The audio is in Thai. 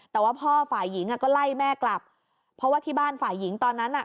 แต่ว่าพ่อฝ่ายหญิงอ่ะก็ไล่แม่กลับเพราะว่าที่บ้านฝ่ายหญิงตอนนั้นอ่ะ